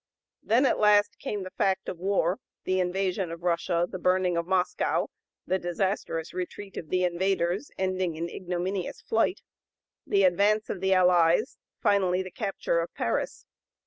Then at last came the fact of war, the invasion of Russia, the burning of Moscow, the disastrous retreat of the invaders ending in ignominious flight, the advance of the allies, finally the capture of Paris.